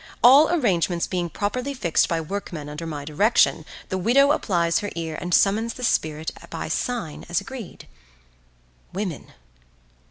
All arrangements being properly fixed by workmen under my direction, the widow applies her ear and summons the spirit by sign as agreed. Women!